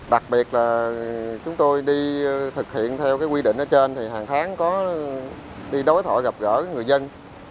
đặc biệt là chúng tôi đi thực hiện theo quy định ở trên thì hàng tháng có đi đối thoại gặp gỡ người dân